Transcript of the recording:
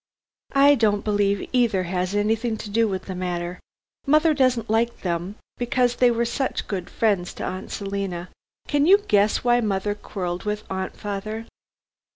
"I don't believe either has anything to do with the matter. Mother doesn't like them because they were such good friends to Aunt Selina. Can you guess why mother quarrelled with aunt, father?"